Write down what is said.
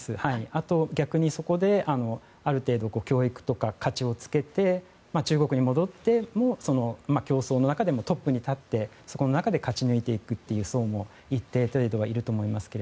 あと、逆にそこである程度教育とか価値をつけて中国に戻っても競争の中でもトップに立ってそこの中で勝ち抜いていくという層も一定程度はいると思いますが。